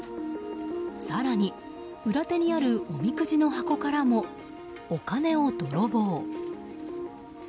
更に、裏手にあるおみくじの箱からもお金を泥棒。